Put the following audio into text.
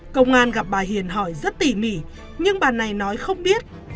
công an gặp bà hiền hỏi rất tỉ mỉ nhưng bà này nói không biết